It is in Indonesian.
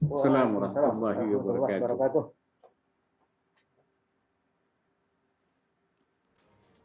wa'alaikumsalam warahmatullahi wabarakatuh